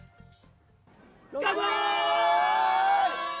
乾杯！